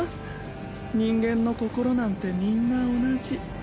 人間の心なんてみんな同じ。